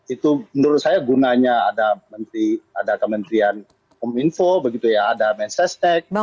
itu menurut saya gunanya ada kementerian komunikasi ada mensesnek